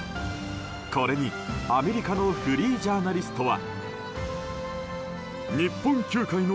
これにアメリカのフリージャーナリストは。